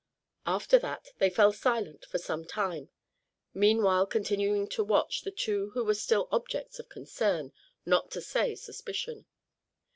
After that they fell silent for some time, meanwhile continuing to watch the two who were still objects of concern, not to say suspicion.